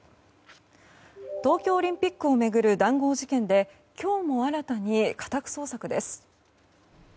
東京オリンピックを巡る談合事件で今日も新たに家宅捜索です。